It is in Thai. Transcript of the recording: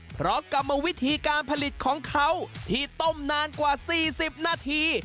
เพราะกรรมวิธีการผลิตของเขาที่ต้มนานกว่า๔๐นาที